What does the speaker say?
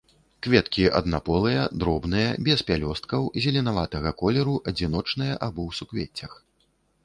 Кветкі аднаполыя, дробныя, без пялёсткаў, зеленаватага колеру, адзіночныя або ў суквеццях.